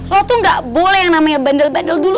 lo tuh gak boleh yang namanya bandel bandel dulu